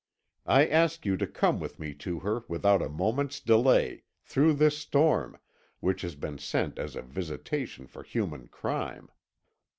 I ask you to come with me to her without a moment's delay, through this storm, which has been sent as a visitation for human crime."